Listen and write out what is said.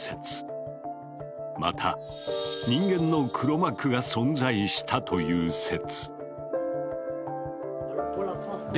また人間の黒幕が存在したという説。